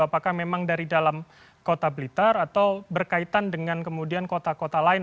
apakah memang dari dalam kota blitar atau berkaitan dengan kemudian kota kota lain